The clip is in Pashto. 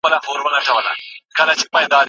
کور د میلمه په راتلو روښانه کیږي.